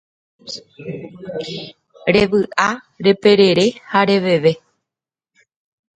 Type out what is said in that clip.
Revy'a, reperere ha reveve